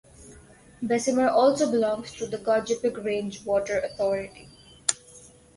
Bessemer also belongs to the Gogebic Range Water Authority.